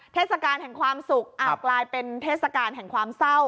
เทศกาลแห่งความสุขกลายเป็นเทศกาลแห่งความเศร้า